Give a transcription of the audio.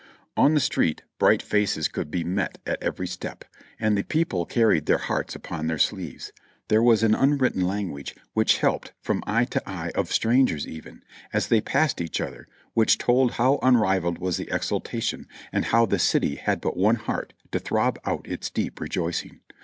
On the street bright faces could be met at every step, and the people carried their hearts upon their sleeves. There was an unwritten language which helped from eye to eye of strangers even, as the ypassed each other, which told hom unrivaled was the exultation, and how the city had but one heart to throb out its deep rejoicing.